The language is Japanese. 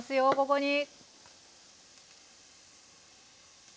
ここに。